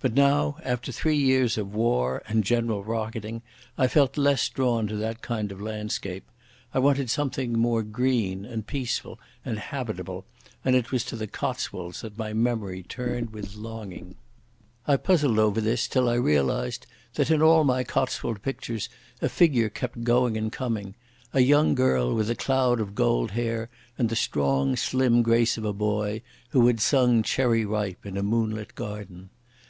But now, after three years of war and general rocketing, I felt less drawn to that kind of landscape. I wanted something more green and peaceful and habitable, and it was to the Cotswolds that my memory turned with longing. I puzzled over this till I realised that in all my Cotswold pictures a figure kept going and coming—a young girl with a cloud of gold hair and the strong, slim grace of a boy, who had sung "Cherry Ripe" in a moonlit garden.